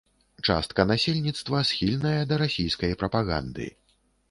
Частка насельніцтва схільная да расійскай прапаганды.